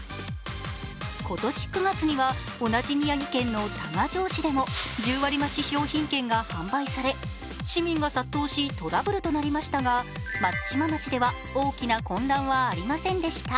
今年９月には同じ宮城県の多賀城市でも、１０割増し商品券が販売され市民が殺到し、トラブルとなりましたが、松島町では大きな混乱はありませんでした。